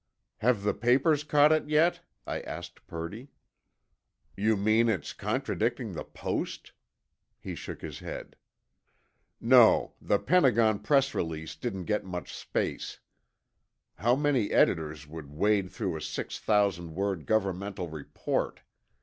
'" "Have the papers caught it yet?" I asked Purdy. "You mean its contradicting the Post?" He shook his head. "No, the Pentagon press release didn't get much space. How many editors would wade through a six thousand word government report?